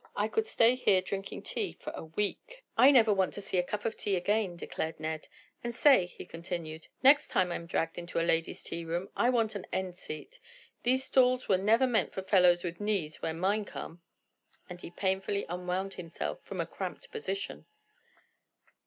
I could stay here drinking tea for a week." "I never want to see a cup of tea again," declared Ned. "And say," he continued, "next time I'm dragged into a ladies' tea room, I want an end seat! These stalls were never meant for fellows with knees where mine come!" And he painfully unwound himself from a cramped position.